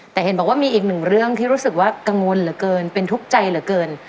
แต่เห็นบอกว่ามีอีกหนึ่งเรื่องที่รู้สึกว่ากังวลเหลือเกินเป็นทุกข์ใจเหลือเกิน